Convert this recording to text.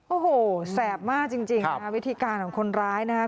โอ้โหแสบมากจริงค่ะวิธีการของคนร้ายนะครับ